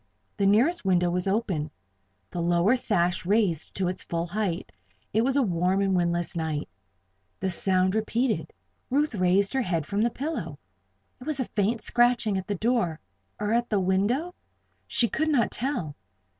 The nearest window was open the lower sash raised to its full height. It was a warm and windless night. The sound was repeated. Ruth raised her head from the pillow. It was a faint scratching at the door, or at the window? She could not tell.